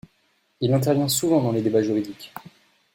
Il intervient souvent dans les débats juridiques.